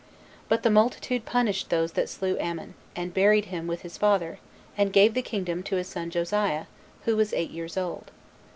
But the multitude punished those that slew Amon, and buried him with his father, and gave the kingdom to his son Josiah, who was eight years old.